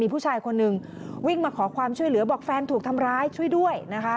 ผู้ชายคนหนึ่งวิ่งมาขอความช่วยเหลือบอกแฟนถูกทำร้ายช่วยด้วยนะคะ